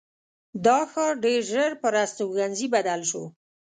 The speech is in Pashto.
دا ښار ډېر ژر پر استوګنځي بدل شو.